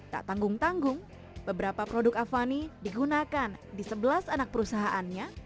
tak tanggung tanggung beberapa produk avani digunakan di sebelas anak perusahaannya